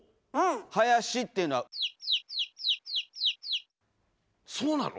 林っていうのはそうなの？